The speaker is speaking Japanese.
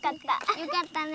よかったね。